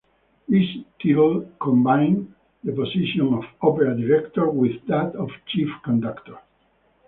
This title combined the position of opera director with that of chief conductor.